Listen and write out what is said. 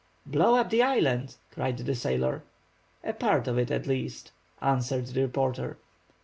"Blow up the island?" cried the sailor. "A part of it, at least," answered the reporter.